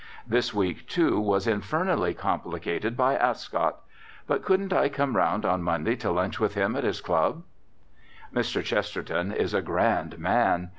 This week, too, was infernally complicated by Ascot. But couldn't I come round on Monday to lunch with him at his club? Mr. Chesterton is a grand man.